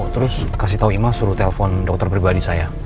terus kasih tahu ima suruh telpon dokter pribadi saya